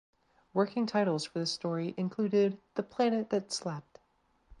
Working titles for this story included "The Planet That Slept".